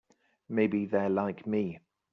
Maybe they're like me.